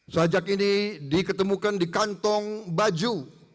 sajak ini diketemukan di kantong baju